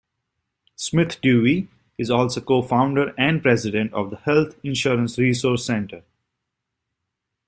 Smith-Dewey is also co-founder and president of the Health Insurance Resource Center.